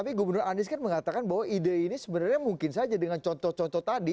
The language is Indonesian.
tapi gubernur anies kan mengatakan bahwa ide ini sebenarnya mungkin saja dengan contoh contoh tadi